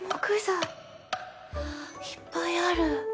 いっぱいある。